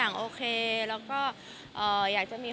ก็บอกว่าเซอร์ไพรส์ไปค่ะ